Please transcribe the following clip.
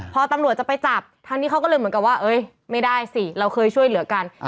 พอตำรวจจะไปจับทางนี้เขาก็เลยเหมือนกับว่าไม่ได้สิเราเคยช่วยเหลือกัน